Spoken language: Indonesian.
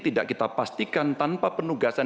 tidak kita pastikan tanpa penugasan